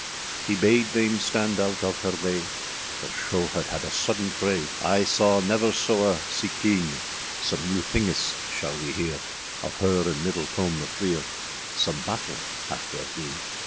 He bade thayme stand out of her waye, For scho had had a sudden fraye,â âI saw never sewe sea keene, Some new thingis shall wee heare, Of her and Myddeltone the freer, Some battel hath ther beene.